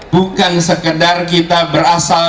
bukan sekedar kita berasal